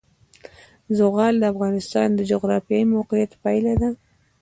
زغال د افغانستان د جغرافیایي موقیعت پایله ده.